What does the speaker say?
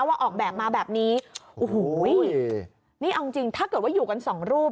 ว่าออกแบบมาแบบนี้อังจริงถ้าเกิดว่าอยู่กันสองรูป